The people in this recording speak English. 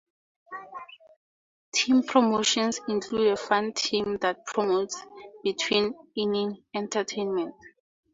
Team promotions include a "Fun Team" that promotes between-inning entertainment.